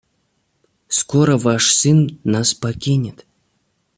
Скоро ваш сын нас покинет.